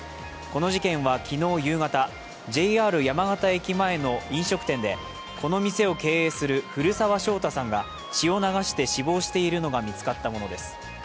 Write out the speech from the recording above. この事件は昨日夕方ＪＲ山形駅前の飲食店でこの店を経営する古澤将太さんが血を流して死亡しているのが見つかったものです。